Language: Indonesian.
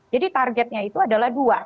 jadi targetnya itu adalah dua